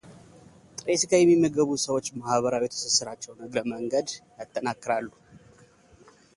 ጥሬ ሥጋ የሚመገቡ ሰዎች ማኅበራዊ ትስስራቸውን እግረ መንገድ ያጠናክራሉ።